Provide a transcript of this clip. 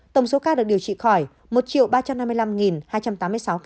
tổng số ca được điều trị khỏi một ba trăm năm mươi năm hai trăm tám mươi sáu ca